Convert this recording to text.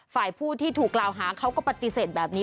ฝ่ายผู้ที่ถูกกล่าวหาเขาก็ปฏิเสธแบบนี้